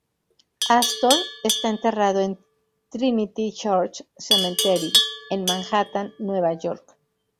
Astor está enterrado en Trinity Church Cemetery en Manhattan, Nueva York.